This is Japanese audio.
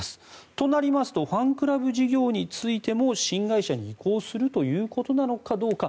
となりますとファンクラブ事業についても新会社に移行するということなのかどうか。